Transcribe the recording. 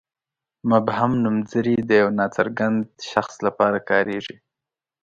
مبهم نومځري د یوه ناڅرګند شخص لپاره کاریږي.